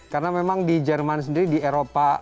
karena memang di jerman sendiri di eropa